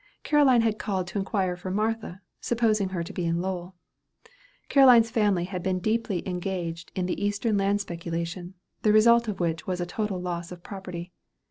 Caroline had called to inquire for Martha, supposing her to be in Lowell. Caroline's father had been deeply engaged in the eastern land speculation, the result of which was a total loss of property.